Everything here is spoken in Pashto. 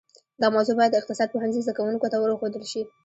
دا موضوع باید د اقتصاد پوهنځي زده کونکو ته ورښودل شي